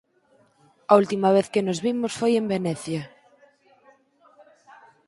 A última vez que nos vimos foi en Venecia.